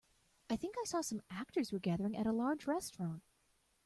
I think I saw some actors were gathering at a large restaurant.